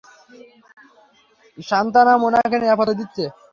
সান্থানাম উনাকে নিরাপত্তা দিচ্ছে।